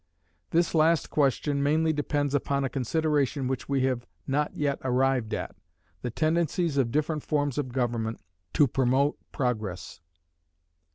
This last question mainly depends upon a consideration which we have not yet arrived at the tendencies of different forms of government to promote Progress.